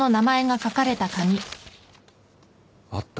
あった。